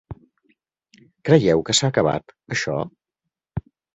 Creieu que s'ha acabat, això?